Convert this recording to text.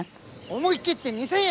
思い切って２，０００円！